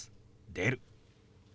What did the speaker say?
「出る」。